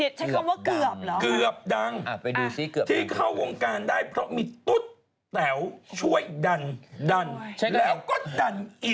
ใช้คำว่าเกือบเหรอเกือบดังที่เข้าวงการได้เพราะมีตุ๊ดแต๋วช่วยดันดันแล้วก็ดันอี